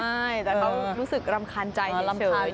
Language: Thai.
แต่เขารู้สึกรำคาญใจเฉย